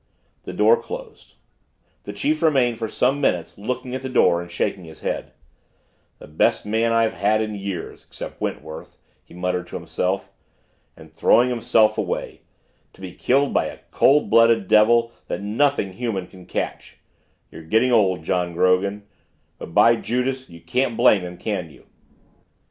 The door closed. The chief remained for some minutes looking at the door and shaking his head. "The best man I've had in years except Wentworth," he murmured to himself. "And throwing himself away to be killed by a cold blooded devil that nothing human can catch you're getting old, John Grogan but, by Judas, you can't blame him, can you?